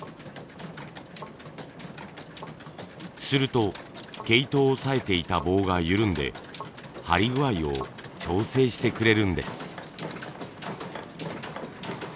すると毛糸を抑えていた棒が緩んで張り具合を調整してくれるんです。